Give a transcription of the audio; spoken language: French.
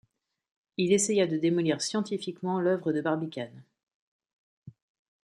Il essaya de démolir scientifiquement l’œuvre de Barbicane.